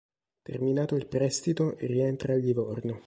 Terminato il prestito rientra a Livorno.